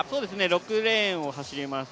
６レーンを走ります